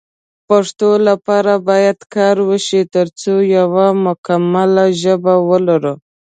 پښتو لپاره باید کار وشی ترڅو یو مکمله ژبه ولرو